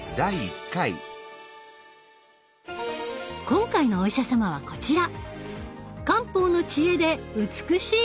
今回のお医者様はこちら。